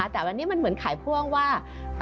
แต่วันนี้มันเหมือนขายพ่วงว่า